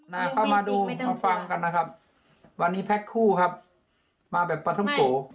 นะเข้ามาดูมาฟังกันนะครับวันนี้แพ็คคู่ครับมาแบบปลาท่องโก